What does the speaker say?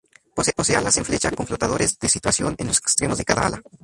Posee alas en flecha con flotadores de situación en los extremos de cada ala.